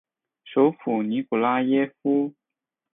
首府尼古拉耶夫。